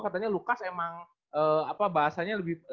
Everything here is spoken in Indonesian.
katanya lukas emang bahasanya lebih